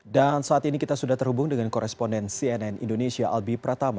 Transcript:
dan saat ini kita sudah terhubung dengan koresponden cnn indonesia albi pratama